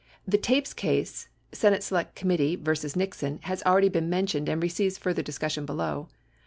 The tapes case, Senate Select Committee v. Nixon, has already been mentioned and receives further discussion. below.